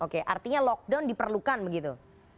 oke artinya lockdown diperlukan begitu